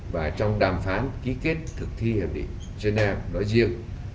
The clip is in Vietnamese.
và trong đàm phán ký kết thực thi hiệp định geneva nói riêng